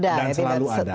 dan selalu ada